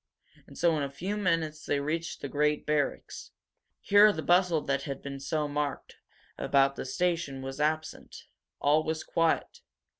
And so in a few minutes they reached the great barracks. Here the bustle that had been so marked about the station was absent. All was quiet.